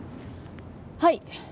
はい。